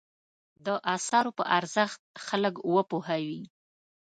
د اثارو په ارزښت خلک وپوهوي.